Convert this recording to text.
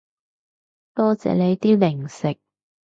多謝你啲零食